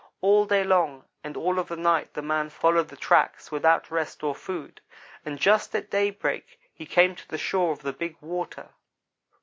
All day long, and all of the night the man followed the tracks without rest or food, and just at daybreak he came to the shore of the big water.